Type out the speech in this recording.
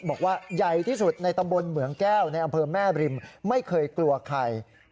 บอกว่าใหญ่ที่สุดในตำบลเหมืองแก้วในอำเภอแม่บริมไม่เคยกลัวใคร